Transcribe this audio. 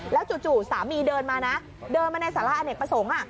แล้วจู่สามีเดินมานะเดินมาในสาระอเนกประสงค์